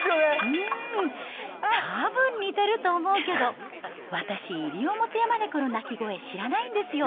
うーん、たぶん似てると思うけど、私、イリオモテヤマネコの鳴き声、俺も知らんわ。